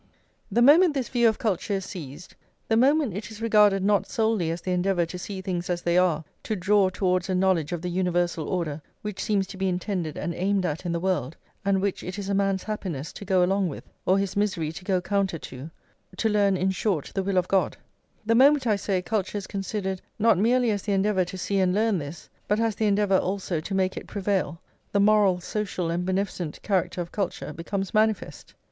The moment this view of culture is seized, the moment it is regarded not solely as the endeavour to see things as they are, to draw towards a knowledge of the universal order which seems to be intended and aimed at in the world, and which it is a man's happiness to go along with or his misery to go counter to, to learn, in short, the will of God, the moment, I say, culture is considered not merely as the endeavour to see and learn this, but as the endeavour, also, to make it prevail, the moral, social, and beneficent character of culture becomes manifest.